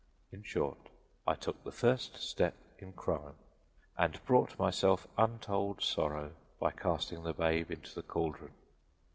In short, I took the first step in crime and brought myself untold sorrow by casting the babe into the cauldron.